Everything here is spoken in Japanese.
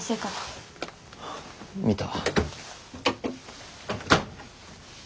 見た。